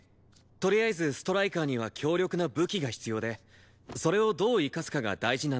とりあえずストライカーには強力な武器が必要でそれをどう生かすかが大事なんだと思う。